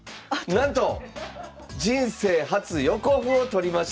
なんと人生初横歩を取りました。